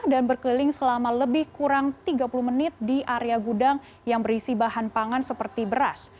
dan berkeliling selama lebih kurang tiga puluh menit di area gudang yang berisi bahan pangan seperti beras